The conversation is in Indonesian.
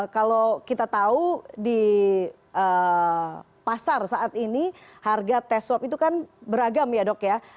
kalau kita tahu di pasar saat ini harga tes swab itu kan beragam ya dok ya